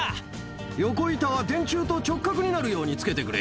横板は電柱と直角になるようにつけてくれ。